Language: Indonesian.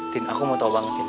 tin aku mau tau banget